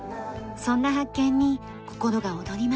そんな発見に心が躍ります。